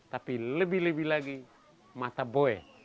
tapi lebih lebih lagi mata boe